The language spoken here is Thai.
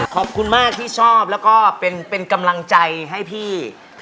ขอบคุณมากที่ชอบแล้วก็เป็นกำลังใจให้พี่